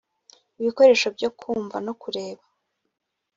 ibikoresho byo kumva no kureba